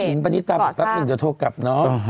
อันที่แล้วผมปฏิษฐาแปดสักหนึ่งจะโทรกกลับเนอะ